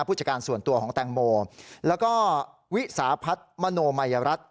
ผู้จัดการส่วนตัวของแตงโมแล้วก็วิสาพัฒน์มโนมัยรัฐ